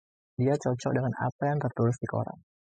Dia cocok dengan apa yang tertulis di koran.